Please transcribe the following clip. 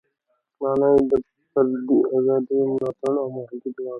معنا یې د فردي ازادیو ملاتړ او محدود واک و.